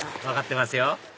分かってますよ